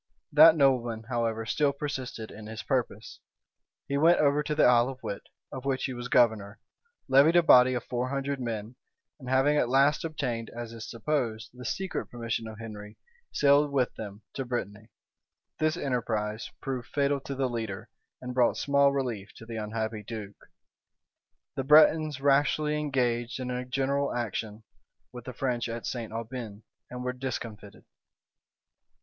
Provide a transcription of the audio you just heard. That nobleman, however, still persisted in his purpose. He went over to the Isle of Wight, of which he was governor, levied a body of four hundred men; and having at last obtained, as is supposed, the secret permission of Henry, sailed with them to Brittany. This enterprise proved fatal to the leader, and brought small relief to the unhappy duke. The Bretons rashly engaged in a general action with the French at St. Aubin, and were discomfited.